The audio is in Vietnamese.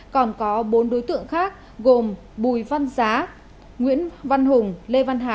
còn có bốn đối tượng khác gồm bùi văn giá nguyễn văn hùng lê văn hà